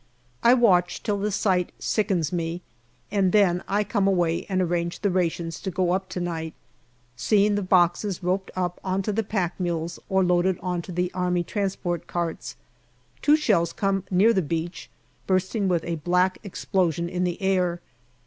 I watch till the sight sickens me, and then I come away and arrange the rations to go up to night, seeing the boxes roped up on to the pack mules or loaded on to the A.T. carts. Two shells come near the beach, bursting with a black explosion in the air.